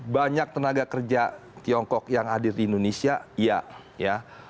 banyak tenaga kerja tiongkok yang hadir di indonesia iya